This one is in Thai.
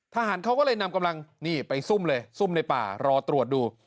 ทหารเขาก็เลยนำกำลังนี่ไปซุ่มเลยซุ่มในป่ารอตรวจดู